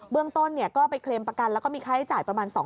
เรื่องต้นก็ไปเคลมประกันแล้วก็มีค่าใช้จ่ายประมาณ๒๐๐